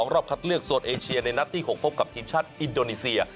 รอบคัดเลือกโซนเอเชียในนัดที่๖พบกับทีมชาติอินโดนีเซีย